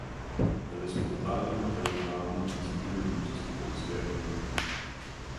Byly spontánně organizovány místními vůdci polské komunity.